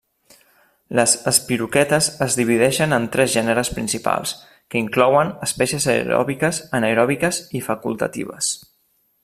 Les espiroquetes es divideixen en tres gèneres principals que inclouen espècies aeròbiques, anaeròbiques i facultatives.